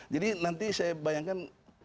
jadi nanti saya bayangkan